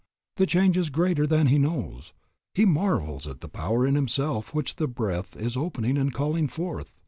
The change is greater than he knows; he marvels at the powers in himself which the Breath is opening and calling forth.